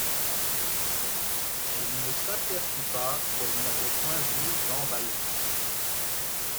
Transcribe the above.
Elle ne s’aperçut pas qu’elle n’avait point vu Jean Valjean.